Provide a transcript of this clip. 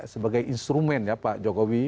sebagai instrumen ya pak jokowi